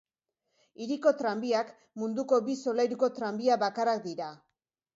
Hiriko tranbiak munduko bi solairuko tranbia bakarrak dira.